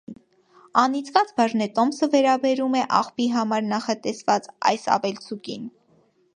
«Անիծված բաժնետոմսը» վերաբերում է աղբի համար նախատեսված այս ավելցուկին։